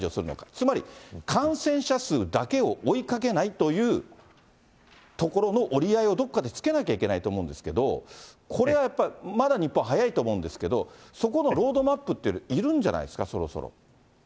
つまり感染者数だけを追いかけないというところの折り合いをどっかでつけなきゃいけないと思うんですけれども、これはやっぱ、まだ日本は早いと思うんですけれども、そこのロードマップっているんじゃないんですか、そろそろ。